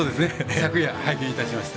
昨夜、拝見いたしました。